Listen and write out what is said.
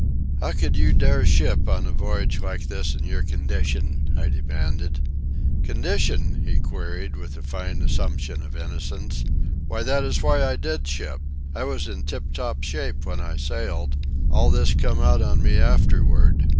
"How could you dare ship on a voyage like this in your condition?" I demanded. "Condition?" he queried with a fine assumption of innocence. "Why, that is why I did ship. I was in tiptop shape when I sailed. All this come out on me afterward.